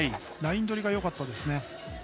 ライン取りがよかったですね。